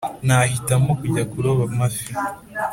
nahitamo kujya kuroba amafi.